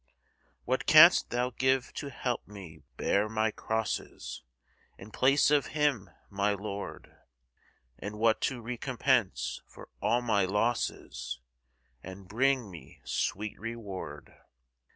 What canst thou give to help me bear my crosses, In place of Him, my Lord? And what to recompense for all my losses, And bring me sweet reward?